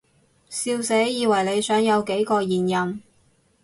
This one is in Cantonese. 笑死，以為你想有幾個現任